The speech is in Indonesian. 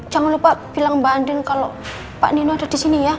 jangan lupa bilang mbak andin kalau pak nino ada di sini ya